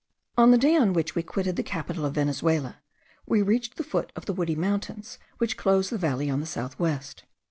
On the day on which we quitted the capital of Venezuela, we reached the foot of the woody mountains which close the valley on the south west.